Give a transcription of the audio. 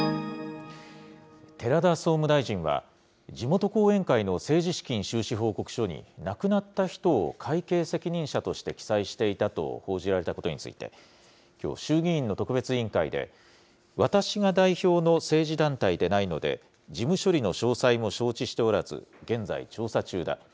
寺田総務大臣は、地元後援会の政治資金収支報告書に、亡くなった人を会計責任者として記載していたと報じられたことについて、きょう、衆議院の特別委員会で、私が代表の政治団体でないので、事務処理の詳細も承知しておらず、現在調査中だ。